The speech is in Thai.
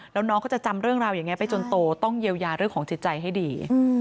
แล้วน้องเขาจะจำเรื่องราวอย่างนี้ไปจนโตต้องเยียวยาเรื่องของจิตใจให้ดี